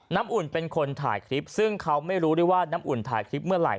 อุ่นเป็นคนถ่ายคลิปซึ่งเขาไม่รู้ด้วยว่าน้ำอุ่นถ่ายคลิปเมื่อไหร